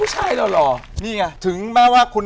เฮ้ย